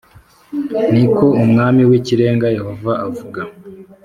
ni ko Umwami w Ikirenga Yehova avuga